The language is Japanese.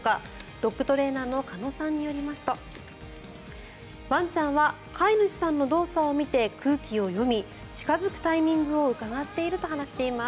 ドッグトレーナーの鹿野さんによりますとワンちゃんは飼い主さんの動作を見て空気を読み近付くタイミングをうかがっていると話しています。